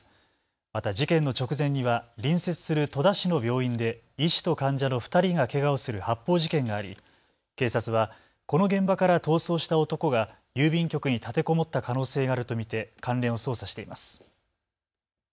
また事件の直前には隣接する戸田市の病院で医師と患者の２人がけがをする発砲事件があり警察はこの現場から逃走した男が郵便局に立てこもった可能性があると見て関連を捜査しています。